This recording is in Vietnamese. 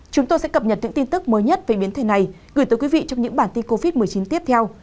chúng tôi sẽ cập nhật những tin tức mới nhất về biến thể này gửi tới quý vị trong những bản tin covid một mươi chín tiếp theo